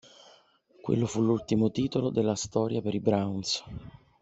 Quello fu l'ultimo titolo della storia per i Browns.